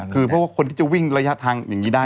คือเพราะว่าคนที่จะวิ่งระยะทางอย่างนี้ได้